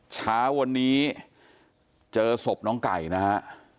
เช้าวันนี้เจอศพน้องไก่นะฮะ